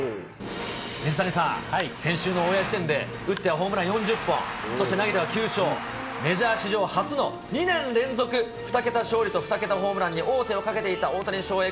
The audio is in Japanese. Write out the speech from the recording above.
水谷さん、先週のオンエア時点で、打ってはホームラン４０本、そして投げては９勝、メジャー史上初の２年連続２桁勝利と２桁ホームランに王手をかけていた大谷翔平。